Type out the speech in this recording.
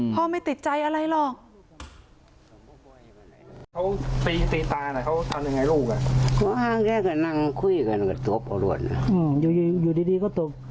ไม่ติดใจอะไรหรอก